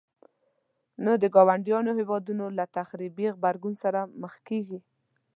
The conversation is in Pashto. نو د ګاونډيو هيوادونو له تخريبي غبرګون سره مخ کيږي.